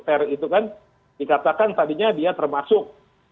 per itu kan dikatakan tadinya dia termasuk